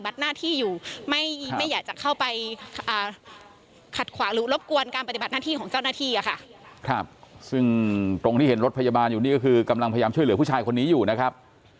ซึ่งตรงที่เห็นรถพยาบาลอยู่นี่ก็คือกำลังพยายามช่วยเหลือผู้ชายคนนี้อยู่นะครับ